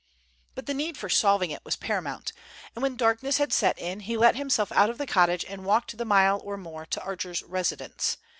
But the need for solving it was paramount, and when darkness had set in he let himself out of the cottage and walked the mile or more to Archer's residence.